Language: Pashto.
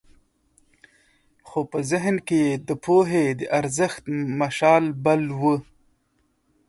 خو په ذهن کې یې د پوهې د ارزښت مشال بل و.